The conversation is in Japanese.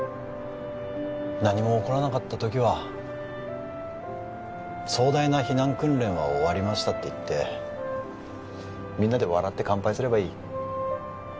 何も起こらなかった時は壮大な避難訓練は終わりましたって言ってみんなで笑って乾杯すればいい